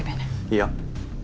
いや。